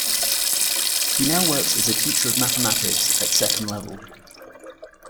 He now works as a teacher of mathematics at second level.